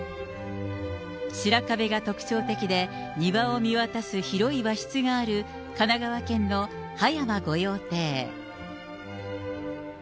白壁が特徴的で、庭を見渡す広い和室がある神奈川県の葉山御用邸。